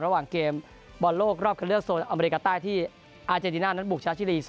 ระหว่างเกมบอลโลกรอบคันเลือกโซนอเมริกาใต้ที่อาเจนติน่านั้นบุกชาชิลี